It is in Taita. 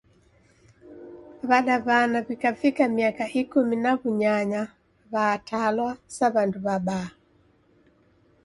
W'adaw'ana w'ikavika miaka Ikumi na w'unyanya w'atalwa sa w'andu w'abaa.